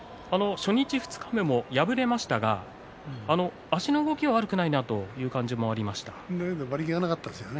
初日、二日目敗れましたが足の動きが悪くないっていう感じがありましたね。